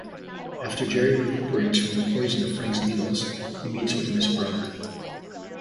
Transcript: After Jerry recuperates from the poison of Frank's needles, he meets with Miss Brunner.